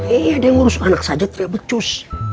iya dia ngurus anak saja tapi becus